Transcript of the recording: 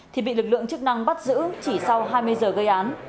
thì bị lực lượng chức năng bắt giữ chỉ sau hai mươi giờ gây án